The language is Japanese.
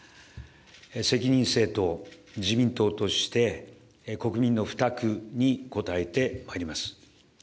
責任政党、自民党として、国民の負託に応えてまいります。